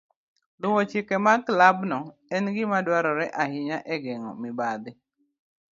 Luwo chike mag klabno en gima dwarore ahinya e geng'o mibadhi.